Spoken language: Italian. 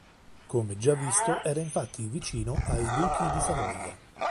Come già visto era infatti vicino ai duchi di Savoia.